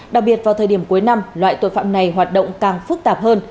đặc biệt vào thời điểm cuối năm loại tội phạm này hoạt động càng phức tạp hơn